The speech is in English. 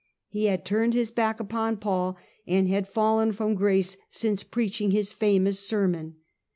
He had turned his back upon Paul, and had fallen from grace since preaching his famous ser mon.